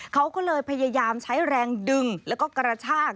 เขาก็เลยพยายามใช้แรงดึงแล้วก็กระชาก